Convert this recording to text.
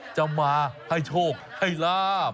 จะมาให้โชคให้ลาบ